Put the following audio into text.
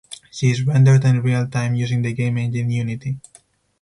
She is rendered in real time using the game engine Unity.